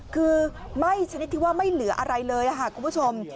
คือไหม้ชนิดที่ว่าไม่เหลืออะไรเลยค่ะคุณผู้ชม